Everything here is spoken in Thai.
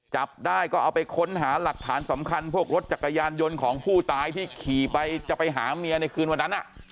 จับได้ก็เอาไปค้นหาหลักฐานสำคัญพวกรถจักรยานยนต์ของผู้ตายที่ขี่ไปจะไปหาเมียในคืนวันนั้น